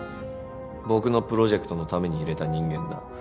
僕のプロジェクトのために入れた人間だ。